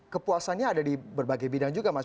kepuasannya ada di berbagai bidang juga mas